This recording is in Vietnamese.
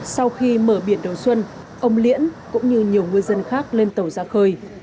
sau khi mở biển đầu xuân ông liễn cũng như nhiều ngư dân khác lên tàu ra khơi